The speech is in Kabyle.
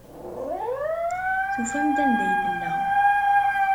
Tufam-d anda ay tella.